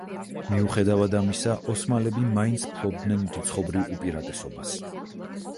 მიუხედავად ამისა, ოსმალები მაინც ფლობდნენ რიცხობრივ უპირატესობას.